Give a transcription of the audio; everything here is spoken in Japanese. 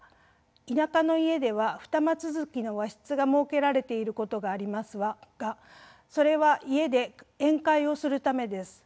田舎の家では二間続きの和室が設けられていることがありますがそれは家で宴会をするためです。